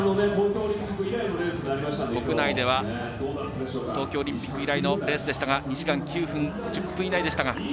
国内では東京オリンピック以来のレースでしたが２時間１０分以内でした。